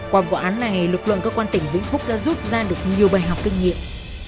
qua vụ án này lực lượng cơ quan tỉnh vĩnh phúc đã rút ra được nhiều bài học kinh nghiệm